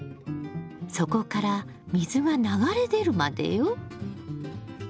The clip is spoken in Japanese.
底から水が流れ出るまでよ。